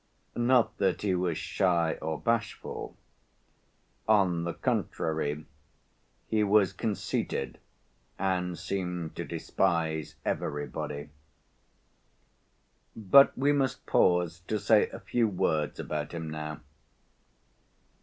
Not that he was shy or bashful. On the contrary, he was conceited and seemed to despise everybody. But we must pause to say a few words about him now.